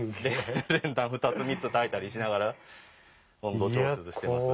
練炭２つ３つたいたりしながら温度調節してます。